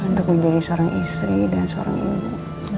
untuk menjadi seorang istri dan seorang ibu